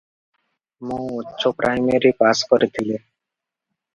ମୁଁ ଉଚ୍ଚପ୍ରାଇମେରି ପାଶ୍ କରିଥିଲି ।"